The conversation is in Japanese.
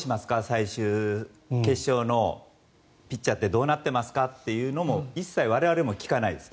最終決勝のピッチャーってどうなってますか？というのも一切我々も聞かないです。